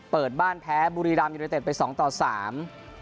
เปิดบ้านแพ้บุรีรัมยูเนเต็ดไปสองต่อสาม